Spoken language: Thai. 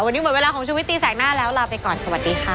วันนี้หมดเวลาของชุวิตตีแสกหน้าแล้วลาไปก่อนสวัสดีค่ะ